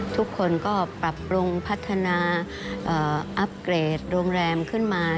ทุกคนก็ปรับปรุงพัฒนาอัพเกรดโรงแรมขึ้นมา